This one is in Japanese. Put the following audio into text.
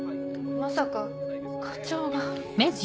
まさか課長が。